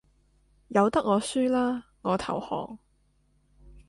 由得我輸啦，我投降